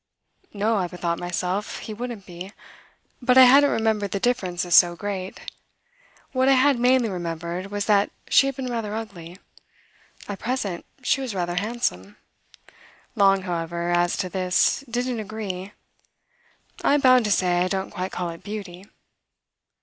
No, I bethought myself, he wouldn't be; but I hadn't remembered the difference as so great. What I had mainly remembered was that she had been rather ugly. At present she was rather handsome. Long, however, as to this, didn't agree. "I'm bound to say I don't quite call it beauty."